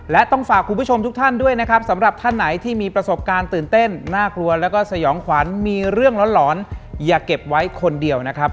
และต้องฝากคุณผู้ชมทุกท่านด้วยนะครับสำหรับท่านไหนที่มีประสบการณ์ตื่นเต้นน่ากลัวแล้วก็สยองขวัญมีเรื่องร้อนอย่าเก็บไว้คนเดียวนะครับ